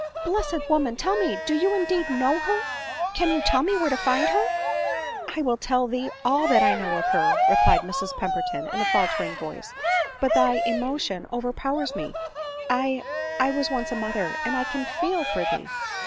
" Blessed woman ! tell me — Do you indeed know her ? —can you tell me where to find her ?"" I will tell thee all that I know of her," replied Mrs Pemberton in a faltering voice ;" but thy emotion over powers me. — I — I was once a mother, and I can feel for thee."